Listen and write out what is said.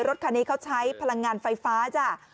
รถคันนี้เขาใช้พลังงานไฟฟ้าจ้ะ